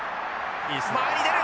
前に出る！